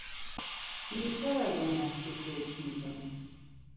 دیرتر از آن است که فکر میکنی!